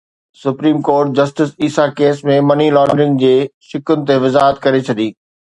supreme court justice Isa case ۾ money laundering جي شقن تي وضاحت ڪري ڇڏي